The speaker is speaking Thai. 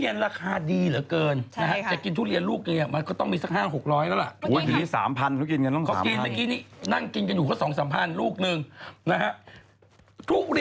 นั่นมันก่อนแต่งานไม่เป็นไร